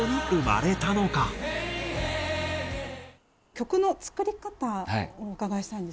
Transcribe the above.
曲の作り方をお伺いしたいんですけれども。